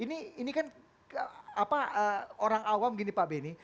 ini kan orang awam gini pak beni